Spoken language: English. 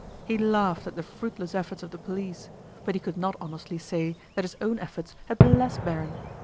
He laughed at the fruitless efforts of the police, but he could not honestly say that his own efforts had been less barren.